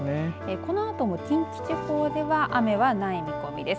このあとも近畿地方では雨はない見込みです。